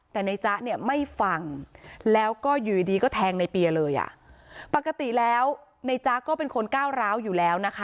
แต่ในจ๊ะเนี่ยไม่ฟังแล้วก็อยู่ดีดีก็แทงในเปียเลยอ่ะปกติแล้วในจ๊ะก็เป็นคนก้าวร้าวอยู่แล้วนะคะ